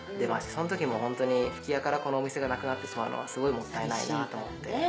その時もホントに吹屋からこのお店がなくなってしまうのはすごいもったいないなと思って。